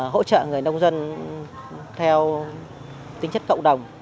hỗ trợ người nông dân theo tính chất cộng đồng